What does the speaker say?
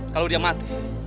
kalau dia mati